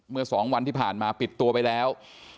เมื่อ๒วันที่ผ่านมาปิดตัวไปแล้ว